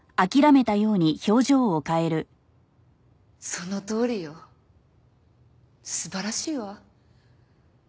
そのとおりよ。素晴らしいわ。